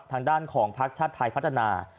ทางด้านของพักชาติไทยพัฒนา